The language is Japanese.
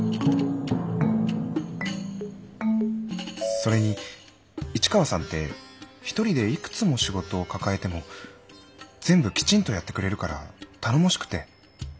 それに市川さんって一人でいくつも仕事を抱えても全部きちんとやってくれるから頼もしくて。